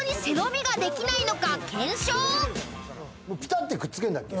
もうピタッとくっつけんだっけ？